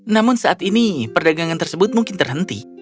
namun saat ini perdagangan tersebut mungkin terhenti